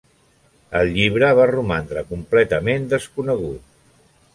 El llibre va romandre completament desconegut.